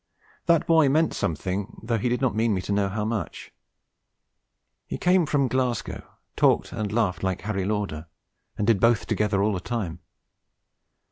That boy meant something, though he did not mean me to know how much. He came from Glasgow, talked and laughed like Harry Lauder, and did both together all the time.